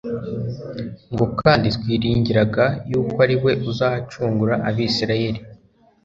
ngo: "Kandi twiringiraga yuko ari we uzacungura abisirayeli."